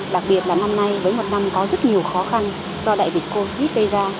đặc biệt là năm nay với một năm có rất nhiều khó khăn do đại dịch covid gây ra